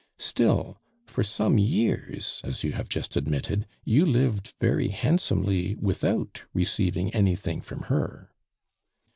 Still, for some years, as you have just admitted, you lived very handsomely without receiving anything from her."